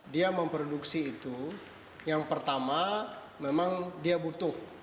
dia memproduksi itu yang pertama memang dia butuh